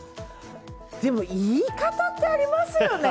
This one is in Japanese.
でも、言い方ってありますよね。